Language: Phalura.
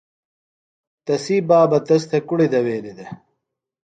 تسی بابہ تس تھےۡ کُڑیۡ دویلیۡ دےۡ۔